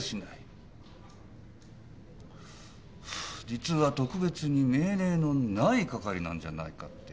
実は特別に命令のない係なんじゃないかって。